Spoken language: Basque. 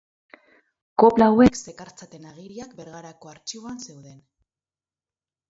Kopla hauek zekartzaten agiriak Bergarako Artxiboan zeuden.